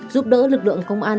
giúp đỡ lực lượng công an